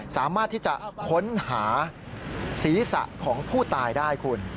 สามารถที่จะค้นหาศีรษะของผู้ตายได้คุณ